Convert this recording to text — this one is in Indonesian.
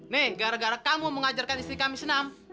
nih gara gara kamu mengajarkan istri kami senam